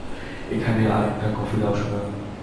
এখানে আরেকটা কফি দাও, সোনা।